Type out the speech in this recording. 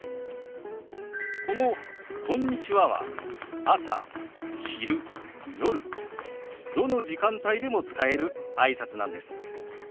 この「こんにちは」は朝昼夜どの時間帯でも使えるあいさつなんです。